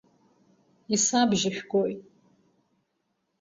Исабжьыжәгои?